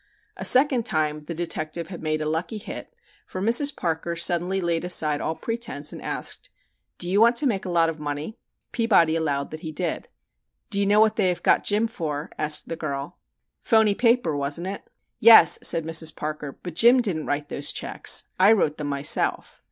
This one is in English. '" A second time the detective had made a lucky hit, for Mrs. Parker suddenly laid aside all pretense and asked: "Do you want to make a lot of money?" Peabody allowed that he did. "Do you know what they have got Jim for?" asked the girl. "'Phoney' paper, wasn't it?" "Yes," said Mrs. Parker, "but Jim didn't write those checks. I wrote them myself.